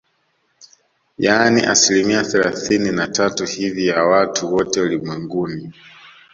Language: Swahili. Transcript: Yaani asilimia thelathini na tatu hivi ya watu wote ulimwenguni